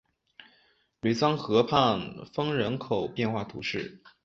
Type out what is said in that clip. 吕桑河畔丰人口变化图示